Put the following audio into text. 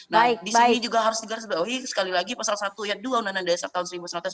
nah di sini juga harus dibahas sekali lagi pasal satu uu nandai desa tahun seribu sembilan ratus empat puluh lima